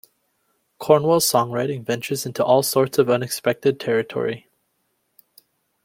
Cornwell's songwriting ventures into all sorts of unexpected territory.